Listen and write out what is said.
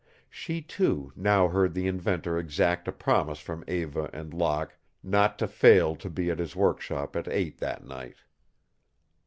She, too, now heard the inventor exact a promise from Eva and Locke not to fail to be at his workshop at eight that night.